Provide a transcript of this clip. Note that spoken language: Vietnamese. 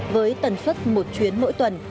với tần suất một chuyến mỗi tuần